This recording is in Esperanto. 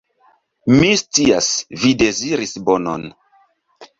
Mi scias, vi deziris bonon.